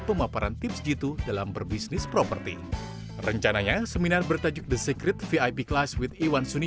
saya berpindah dari pekerjaan saya dari rumah ke rumah yang lebih besar